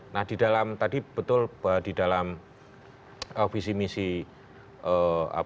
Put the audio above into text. nah di dalam tadi betul di dalam visi misi presiden selama ini